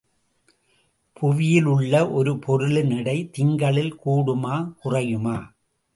புவியிலுள்ள ஒரு பொருளின் எடை திங்களில் கூடுமா குறையுமா?